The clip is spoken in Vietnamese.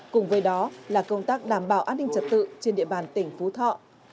cùng với đó là công tác đảm bảo an ninh trật tự trên địa bàn tỉnh phú thọ